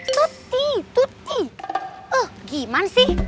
tuti tuti gimana sih